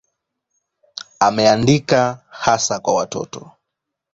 Ameandika hasa kwa watoto.